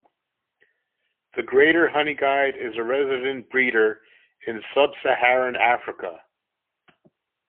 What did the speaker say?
The greater honeyguide is a resident breeder in sub-Saharan Africa.